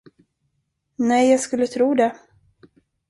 Nej, jag skulle tro det!